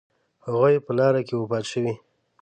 هغوی په لاره کې وفات شوي.